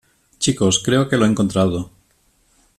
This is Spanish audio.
Chicos, creo que lo he encontrado.